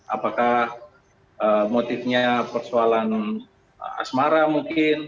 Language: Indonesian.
apakah motifnya persoalan asmara mungkin